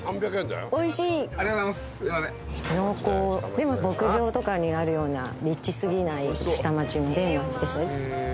でも牧場とかにあるようなリッチ過ぎない下町のデンの味です。